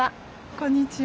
こんにちは。